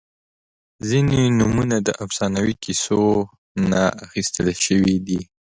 • ځینې نومونه د افسانوي کیسو نه اخیستل شوي دي.